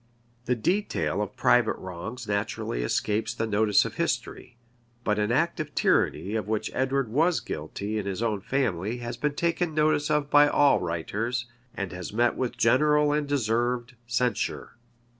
[] The detail of private wrongs naturally escapes the notice of history; but an act of tyranny of which Edward was guilty in his own family, has been taken notice of by all writers, and has met with general and deserved censure.